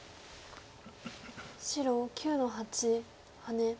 白９の八ハネ。